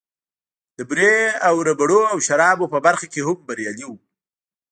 د بورې او ربړونو او شرابو په برخه کې هم بريالی و.